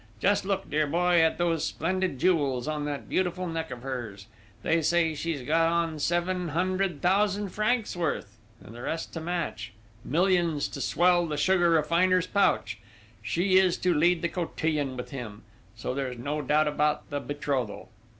Just look, dear boy, at those splendid jewels on that beautiful neck of hers! They say she's got on seven hundred thousand francs' worth and the rest to match millions to swell the sugar refiner's pouch! She is to lead the cotillion with him, so there's no doubt about the betrothal.